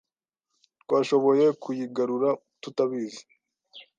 Twashoboye kuyigarura tutabizi.